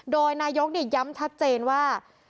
โดยนายกย้ำชัดเจนว่า